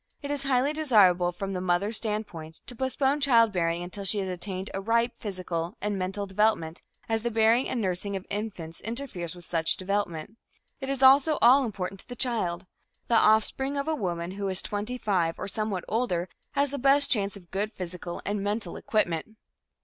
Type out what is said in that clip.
It is highly desirable from the mother's standpoint to postpone childbearing until she has attained a ripe physical and mental development, as the bearing and nursing of infants interferes with such development. It is also all important to the child; the offspring of a woman who is twenty five or somewhat older has the best chance of good physical and mental equipment.